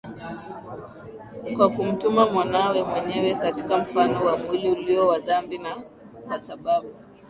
kwa kumtuma Mwanawe mwenyewe katika mfano wa mwili ulio wa dhambi na kwa sababu